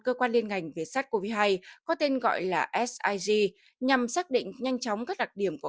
cơ quan liên ngành về sars cov hai có tên gọi là sig nhằm xác định nhanh chóng các đặc điểm của